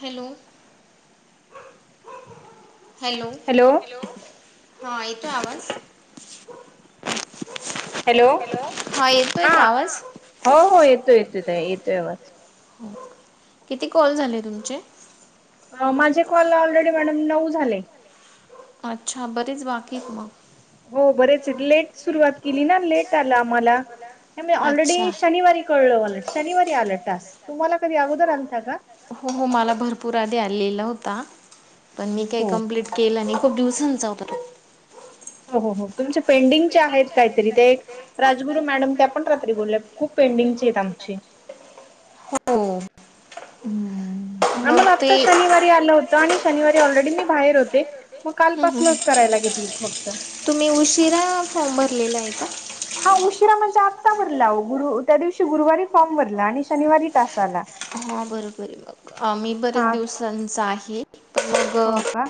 Hello hello hello हा येतोय आवाज हॅलो येतोय हा का आवाज हो हो येतो येतो ताई येतोय आवज किती कॉल झाले तुमचे? माझे कॉल ऑलरेडी मॅडम नऊ झाले. अच्छा बरेच बाकीयेत मग हो बरेच लेट सुरुवात केली ना लेट आला आम्हाला नाय मी ऑलरेडी अच्छा शनिवारी कळलं मला शनिवारी आलं टास्क. तुम्हाला कधी अगोदर आलता का? हो हो मला भरपूर आधी आलेला होता पण मी काय हो. कंप्लीट केलं नाय खूप दिवसांचा होता तो हो हो हो तुमचे पेंडिंगचे आहेत कायतरी ते एक राजगुरू मॅडम त्या पण रात्री बोलल्या खूप पेंडिंगचेयेत आमचे. हो हम्म हम्म हम्म मग आम्हाला आता ते हम्म शनिवारी आलं होता आणि शनिवारी ऑलरेडी मी बाहेर होते. म हम्म कालपासनाच हम्म करायला घेतलेत फक्त तुम्ही उशिरा फॉर्म भरलेला आहे का? हा उशिरा म्हणजे आत्ता भरला आहो गुरु त्या दिवशी गुरुवारी फॉर्म भरला आणि शनिवारी टास आला. हा बरोबरये मग आम्ही बऱ्याच हा दिवसांचा आहे पण हो मग का?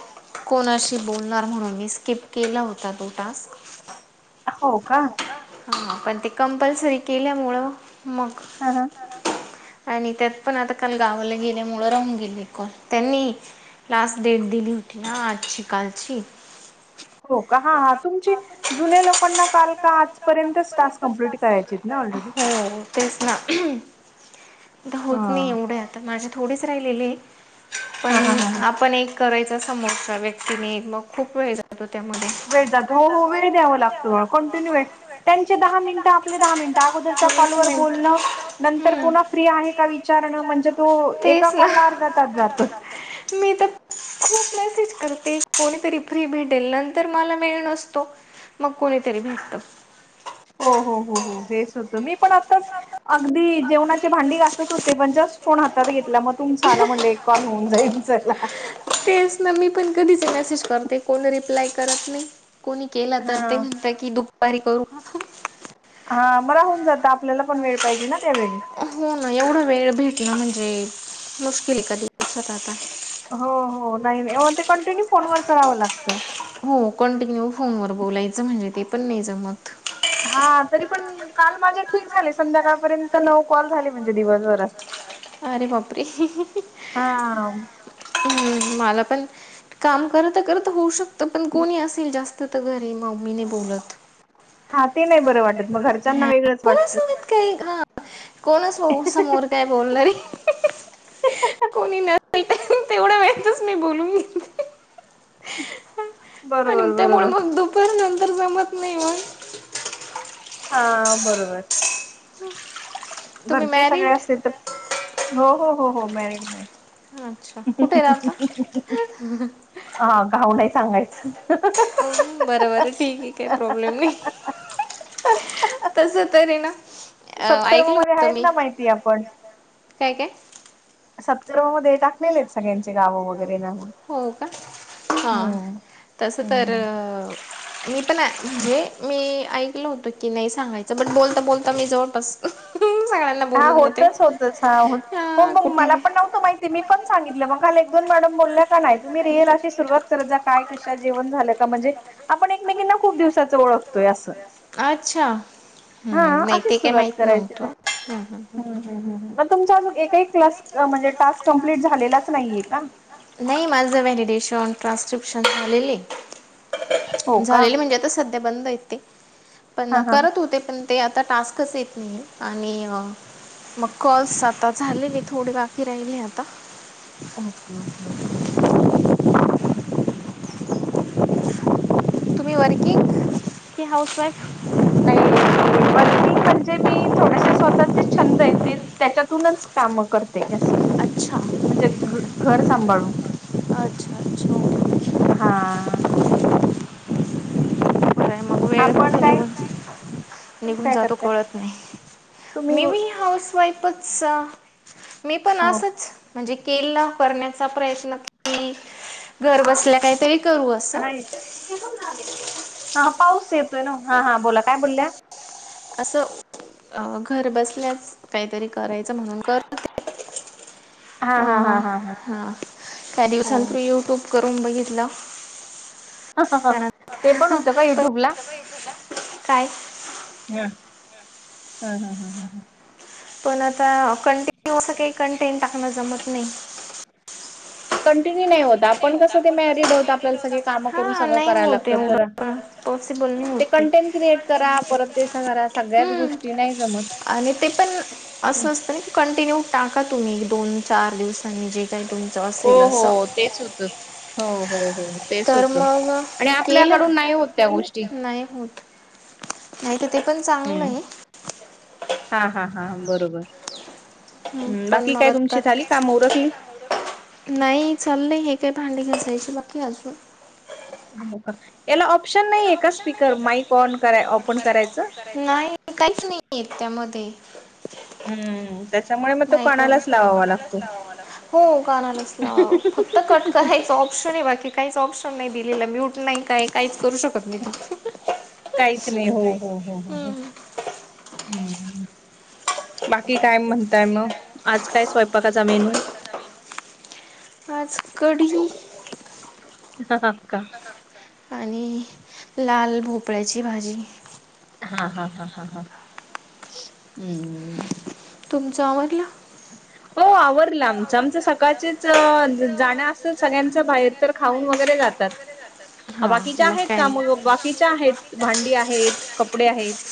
कोणाशी बोलणार म्हणून मी स्किप केला होता तो टास्क. हो का? हा पण ते कंपल्सरी केल्यामुळं मग हा हा आणि त्यात पण आता काल गावाला गेल्यामुळं राहून गेले कॉल त्यांनी लास्ट डेट दिली होती ना आजची कालची हो का हा हा तुमची जुन्या लोकांना काल का आजपर्यंत टास्क कंप्लीट करायचेत ना ऑलरेडी. हो हो तेच ना होत नाही हा. एवढं आता माझे थोडेच राहिलेलेयेत. पण हा हा हा आपण एक करायच समोरच्या व्यक्तीने एक मग खूप वेळ जातो त्यामध्ये वेळ जातो हो हो वेळ द्याव लागतो हा कंटिन्यू वेळ त्याचे दहा मिन आपले दहा मिनिट अगोदरच्या कॉल वीस वर मिनिट बोलणं नंतर हम्म. पुन्हा फ्री आहे का वि चारण म्हणजे तो एका तेच ना. कॉल ला अर्धा तास जातोय. जातो. मी त खू खूप मेसेज करते कोणीतरी फ्री भेटेल नंतर मला वेळ नसतो. मग कोणीतरी भेटत. हो हो हो हो हे होत मी पण आताच अगदी जेवणाचे भांडी घासत होते पण जस्ट फोन हातात घेतला मग तुमचा आला म्हणलं एक कॉल होऊन जाईल चला. तेच ना मी पण कधीच मेसेज करते कोण रिप्लाय करत नाही कोणी केला तर ते हा म्हणत की दुपारी करू हा म राहुन जात आपल्याला पण वेळ पाहिजे ना त्यावेळी. हो ना एवढा वेळ भेटल म्हणजे मुश्किल आहे कधी दिवसात आता. हो हो नाही नाही ते कंटिन्यू फोनवरच रहाव लागतं हो कंटिन्यू फोनवर बोलायचं म्हणजे ते पण नाही जमत. हा तरी पण काल माझे ठीक झाले संध्याकाळपर्यंत नऊ कॉल झाली म्हणजे दिवसभरात. रे बापरे! हा हम्म मला पण काम करता करता होऊ शकत पण कोणी असेल जास्त तू तर घरी मम्मीनी बोलत. हा ते नाही बरं वाटत मग घरच्यांना हा. वेगळंच वाटत. कोणासोबत काही हा कोणच भाऊ समोर काय बोलणारे. कोणी नसेल तेवढ्या वेळातच मी बोलून घेते आणि बरोबर त्यामुळे बरोबर मग दु पण नंतर जमत नाही मग हा बरोबर [unintelligible] घरचे सगळे मॅरिड असतील तर हो हो हो हो मॅरिड मॅरीड अच्छा कुठे राहता? हा गाऊ नाही सांगायचं अ बर बर ठीक आहे काही प्रॉब्लेम नई तस तरी ना अ ऐकलं सत्कर्मामध्ये होतं आहेत मी ना माहिती आपण काय काय. सत्कर्मामध्ये टाकलेले आहेत सगळ्यांची गावं वगैरे ना हो का हां हम्म तसं हम्म तर हम् मी पण म्हणजे मी ऐकल होतो की नाही सांगायचं बण बोलता बोलता मी जवळपास ह् सांग हा होतच होतच हा हो हो मग कुठे मला पण नव्हतं माहिती मी पण सांगितलं मग काल एक दोन मॅडम बोलल्या का नाय तुम्ही रिअल अशी सुरुवात करत जा काय कशा जेवण झाल्या का म्हणजे आपण एकमेकीना खूप दिवसाच ओळखतोय अस. अच्छा हम्म नाही ते अशीच काय सुरुवात माहित करायची नव्हतं हम्म हम्म हम्म मग तुमचा अजून एकही क्लास म्हणजे टास्क कंप्लीट झालेलाच नाहीये का? नाही माझं व्हॅडिडेशन, ट्रान्स्क्रिप्शन झालेले हे हो का झालेली म्हणजे आता सध्या बंद आहेत ते हा पण हा करत होते पण ते आता टास्कच येत नाही आणि मग कॉल्स आता झालेली थोडी बाकी राहिले आता. ओके ओके ओके तुम्ही वर्किंग की हाऊसवाईफ. नाही वर्किंग म्हणजे मी थोडेसे स्वतःचे छंद आहेत ते त्याच्यातूनच काम करते असे अच्छा म्हणजे घर सांभाळून अच्छा अच्छा ओके हा बरं आहे मग वेळ आपण कुठे काय. निघून तुम्ही निघून काय जातो करताय कळत नाही तुम्ही मी हो बी हाऊस वाईफच मी पण असच म्हणजे केला करण्याचा प्रयत्न के घर बसल्या काहीतरी करू असं. नाही हा पाऊस येतोय न हा हा बोला काय बोलल्या. असं घर बसल्यास काहीतरी करायचं म्हणून कर हा अ हा हा हा काही दिवसां हो त युट्यूब करून बघितलं ते पण त्यानंतर होतं का युट्यूब ला प्रय हा हा हा हा ह ह पण आता कंटिन्यू असं काही कंटेंट टाकण जमत नाही कंटिन्यू नाही होता आपण कसं ते मॅरिड होत आपल्याला सगळे काम करून हा सगळं नाही करायला होत लागत तर एवढं पॉसिबल ते कंटेंट क्रिएट करा परत पसा करा सगळ्याच हम्म गोष्टी नाही जमत आणि ते पण असं असतं ना त कंटिन्यू टाका तुम्ही एक दोन चार दिवसांनी जे तुमच हो हो तेच होत हो हो हो तेच तर होत मग आणि मी केलं आपल्याकडून नाही होत त्या गोष्टी नाही होत नाही तर ते पण चांगलं हम्म आहे हा हा हा बरोबर् पण बाकी मग काय तुमची आता झाली काम ओरखली नाही चाललंय हे काही भांडी घासायचे बाकी अजून हो याला ऑप्शन नाहीय का स्पीकर माईक ऑन कराय ऑपन करायचं नाही काहीच नाहीयेत त्यामध्ये हम्म त्याच्यामुळे मग तो माईक वगैरे कणालाच लावावा लागतो हो काणार नसला फक्त कट करायच ऑप्शन आहे बाकी काहीच ऑप्शन नाही दिलेला म्यूट नाही काय काहीच करू शकत नाही तू काहीच नाही हो हो हो हो हो हम्म. हम्म बाकी काय म्हणताय मग आज काय स्वयंपाकाचा मेनू आज कडी का आणि लाल भोपळ्याची भाजी हा हा हा हा हा हम्म तुमचं आमधला ह हो आवरलं आमचं आमचं सकाळचेच जाणं असतं सगळ्यांच बाहेर तर खाऊन वगैरे जातात हां बाकीच्या मग आहेत काय का नाही मग बाकीच्या आहेत भांडी आहेत कपडे आहेत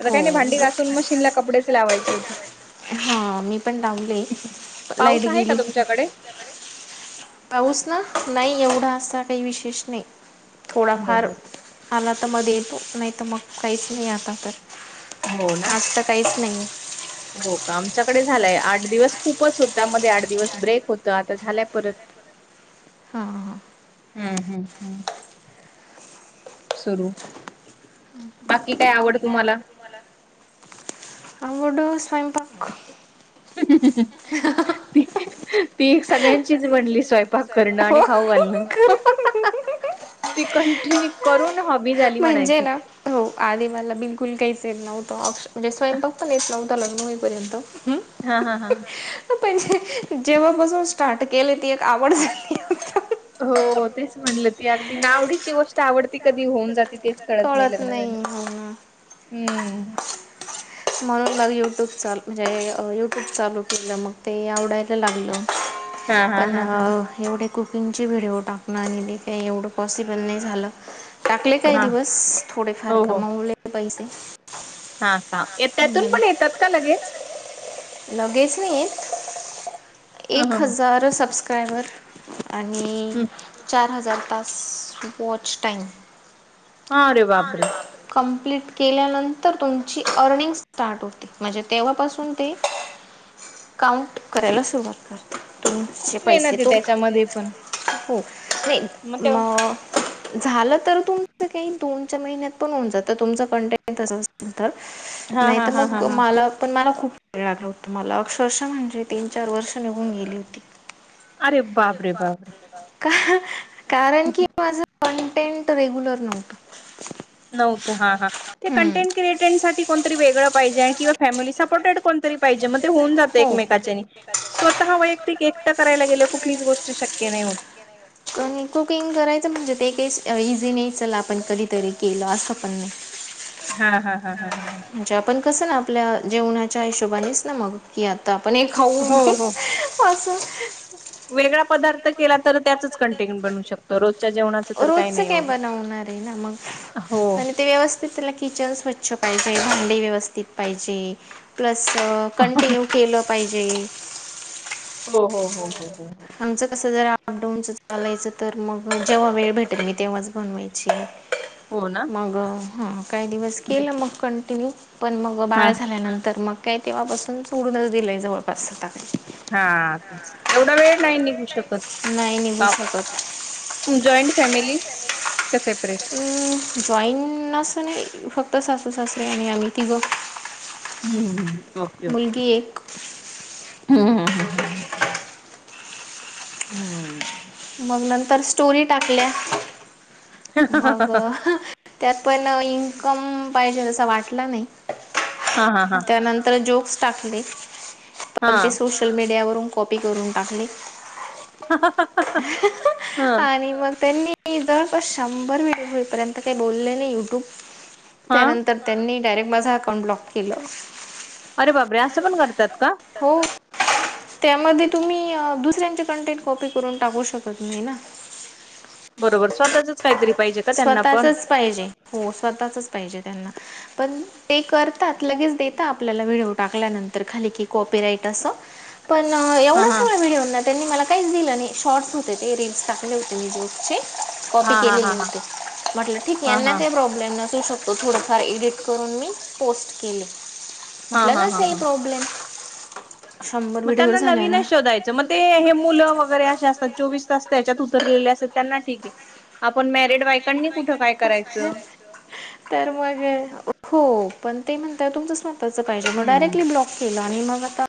आता हो काही नाही भांडी हो घासून मशीन ला कपडेच लावायचे होते हा मी पण लाावले लाईट पाऊस आहे का गेली तुमच्याकडे? पाऊस ना नाही एवढा असा काही विशेष नाही हो थोडाफार हो आला तर मग येतो नाही तर मग काहीच नाही आता तर हो ना आज तर काहीच नाही आहे हो का आमच्याकडे झालाय आठ दिवस खूपच होता मध्ये आठ दिवस ब्रेक होत आता झालाय परत हां हां हम्म हम् हम् सुरू बाकी काय आवड तुम्हाला कडू स्वयंपाक ती एक सगळ्यांचीच बनली स्वय हो आणि खाऊ घलण करू. ती कंटिन्यू करून ह म्हणजे ना हो आधी मला बिलकुल काहीचल नव्हतं ऑप्शन म्हणजे स्वयंपाकता नेत नवता लगूनईपर्यंत हा हा हा णजे जेव्हा बासून स्टार्ट केले ती एक आवड झाली आता. हो तेच म्हटलं ती अगदी नावडीची गोष्ट आवडती कधी होऊन जात तेच कळत नाही लग्नाना हम्म मग यूट्यूब चाल म्हणजे यूट्यूब चालू केलं मग ते आवडायला लागलं हा हा पण हा हा एवढे कुकिंगची व्हिडिओ टाकण. काही एवढं पॉसिबल नाही झालं. टाकले काही हा दिवस. थोडेफार हो हो कमावले पैसे. हा का? हम्म. त्यातून पण येतात का लगेच. लगेच नाही येत. हा एक हा हा हजार सबस्क्रायबर आणि हम्म चार हजार पास, वॉच टाईम. हा रे बापरे. कंप्लीट केल्यानंतर तुमची अर्निंग स्टार्ट होती. म्हणजे तेव्हापासून ते. काउंट करायला सुरुवात करते. तुमचे खूप पैसे मेहनत आहे तो. त्याच्यामध्ये पण हो मग तेवढ म झालं तर तुमच काही दोनच्या महिन्यात पण होऊन जात. तुमच कोटेंटिन तस असे लतर. हा नाही हा तर हा हा मग हा मला पण, मला खूप क्रीळग उत्तमाला अक्षरश म्हणजे, तीन चार वर्ष निघून गेली होती. अरे बापरे बापरे. कारण कि, माझ कंटेंट रेग्युलर नवत. नव्हतं. हा हा. ते कंटेंट क्रिएटन साठी कोणतरी वेगळं पाहिजे. किंवा फॅमिली सपोर्टड कोणतरी पाहिजे. मग ते होन जातं. हो एकमेकाच्यान. स्वतः वैयक्तिक एकट करायला गेलंव. कुठलीच गोष्ट शक्य नाही होत. आणि कुकिंग करायचं म्हणजे, ते काही इझी नाही. चला आपण कधीतरी केलं. असं पण नाही. हा, हा. ह, ह, ह, ह. अच्छा आपण कसं ना. आपल्या जेवणाच्या हिशोबानेच ना. मग. की आता आपण हे, खाऊ. हो हो असं. वेगळा पदार्थ केला तर, त्याचच कंटेंट बनवू शकतो. रोजच्या जेवणाच तर काही रोजचं नाही काय एवढ. बनवणार मग, आणि ते व्यवस्थित. त्याल किचन स्वच्छ पाहिजे. भांडे व्यवस्थित पाहिजे. प्लस हो हो कंटिन्यू केलं पाहिजे. हो, हो, हो, हो, हो. आमचं कसं जर अप डाऊनच चालायचं तर, मग जेव्हा वेळ भेटेल. मी तेव्हाच बनवायची. होन. मग ह. काही दिवस केलं मग कंटिन्यू. पण मग, हा बाळ झाल्यानंतर मग, काय तेव्हापासून सोडूनच दिलंय. जवळपास आता मी. हा, एवढा वेळ नाही निघू शकत. नाही निघू शकत जॉईंट फॅमिली. का सेपरेट? जॉईन अस नाही. फक्त सासू सासरे. आणि आम्ही तिघं. हम्म् हम्म हम्म. Okay okay. मुलगी एक हम्म हम हम् हम् ह. हम्म. मग नंतर स्टोरी टाकल्या. मग हा त्यात प इनकम पाहिजे असा वाटला नाही. हा हा त्यानंतर जोक्स टाकले. हा पण ते सोशल मीडियावरून कॉपी करून टाकले. ह [unintelligible] आणि मग त्यांनी जरस शंंभर व्हिडिओ होई पर्यंत. काही बोलले नाही युट्यूब. ह [inaudible] त्यानंतर त्यांनी. डायरेक्ट माझा अकाउंट ब्लॉक केलं. अरे बापरे. असं पण करतात का? हो. त्यामध्ये तुम्ही दुसऱ्यांचे कंटेंट कॉपी करून टाकू शकत नाही ना. बरोबर स्वतःच काहीरी पाहिजे. का त्यांना पण स्वतःचच पाहिजे. हो स्वतःचच पाहिजे त्यांना, पण ते करतात लगेच देतात. आपल्याला, व्हिडिओ टाकल्यानंतर खाली की, कॉपी राईट असं. पण हा एवढा हा सगळा व्हिडिओना त्यांनी मला काहीच दिलं नाही शॉर्ट्स होते ते रिल्स टाकले होते मी जोचे कॉपी हा हा केलेले हा हा होते. म्हटलं ठीक हा यांना हा का प्रॉब्लेम नसू शकतो थोडफार एडिट करून मी पोस्ट केले. हा म्हटलं हा हा नसेल हा प्रॉब्लेम. शंभर मग व्हिडिओवर त्यांना झाला ना. नवीनच शोधायच. मग ते हे मुलं वगैरे असे असतात चोवीस तास त्याच्यात उतरलेले असतात त्यांना ठीके‌. आपण मॅरिड बायकांनी कुठं काय करायचं. तर मग हो पण ते म्हणतात तुमचं स्वतःचं पाहिजे मग हम्म डायरेक्टली ब्लॉक. केला आणि मग आता.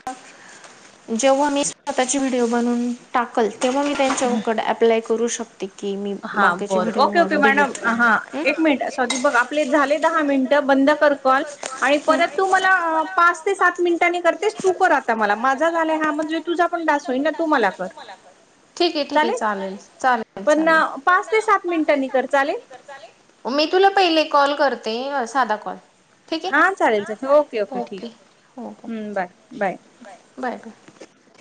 जेव्हा मी स्वतःची व्हिडिओ बनून टाकल तेव्हा मी त्यांच्याकड अप्लाय करू शकते. की मी हा बाकीचे बरं okay video okay madam delete हा एक मिनिट. बघितला का, आपले झाले दहा मिनिटं बंद कर कॉल. आणि परत तू मला पाच ते सात मिनिटांनी करतेस तू कर आता मला माझा झाला ना म्हणजे. तुझा पणडास होई ना तू मला कर. ठीक आहे, ठीक आहे चालेल चालेल पण चालेल. पाच ते सात मिनिटांनी कर चाले. मी तुला पहिले कॉल करते साधा कॉल ठीक आहे. हां चालेल चा ओके, ओके ठीक हो हो हम्म बाय, बाय. Bye bye.